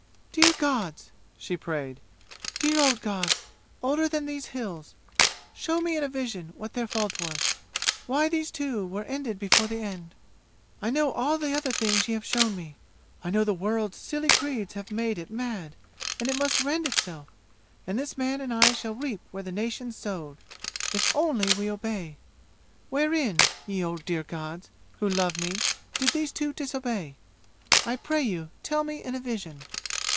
"Dear gods!" she prayed. "Dear old gods older than these 'Hills' show me in a vision what their fault was why these two were ended before the end! "I know all the other things ye have shown me. I know the world's silly creeds have made it mad, and it must rend itself, and this man and I shall reap where the nations sowed if only we obey! Wherein, ye old dear gods, who love me, did these two disobey? I pray you, tell me in a vision!"